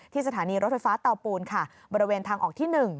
สถานีรถไฟฟ้าเตาปูนค่ะบริเวณทางออกที่๑